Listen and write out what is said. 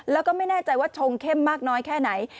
แล้วก็ไม่แน่ใจว่าชงเข้มมากน้อยแค่ไหน